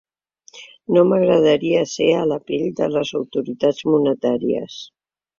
No m’agradaria ser a la pell de les autoritats monetàries.